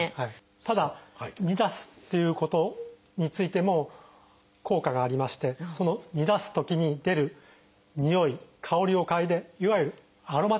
ただ煮出すっていうことについても効果がありましてその煮出すときに出るにおい香りを嗅いでいわゆるアロマテラピー的な効果があるというふうに考えられます。